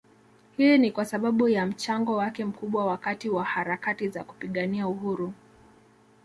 Hii ni kwasababu ya mchango wake mkubwa wakati wa harakati za kupigania uhuru